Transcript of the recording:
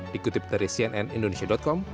dikutip dari cnn indonesia com